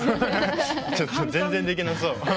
全然、できなそう。